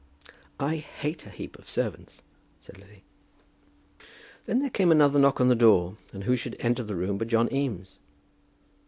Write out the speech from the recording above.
"I hate a heap of servants," said Lily. Then there came another knock at the door, and who should enter the room but John Eames.